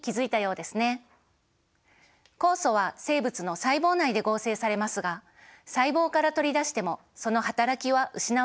酵素は生物の細胞内で合成されますが細胞から取り出してもそのはたらきは失われません。